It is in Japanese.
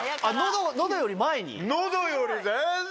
喉より前に？